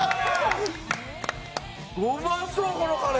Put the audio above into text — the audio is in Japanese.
うまそうこのカレー！